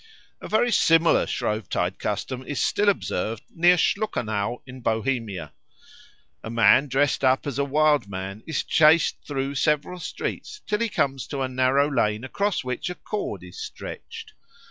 A very similar Shrovetide custom is still observed near Schluckenau in Bohemia. A man dressed up as a Wild Man is chased through several streets till he comes to a narrow lane across which a cord is stretched.